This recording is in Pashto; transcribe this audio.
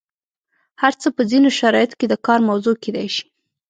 هر څه په ځینو شرایطو کې د کار موضوع کیدای شي.